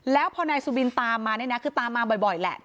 แล้วพอนายสุบินตามมาเนี่ยนะคือตามมาบ่อยแหละ